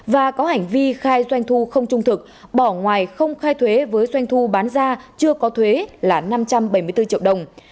và có hành vi khai doanh thu không trung thực bỏ ngoài không khai thuế với doanh thu bán ra chưa có thuế là năm trăm bảy mươi bốn triệu đồng